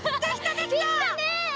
できたね！